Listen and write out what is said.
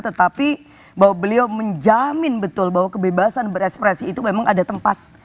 tetapi bahwa beliau menjamin betul bahwa kebebasan berekspresi itu memang ada tempat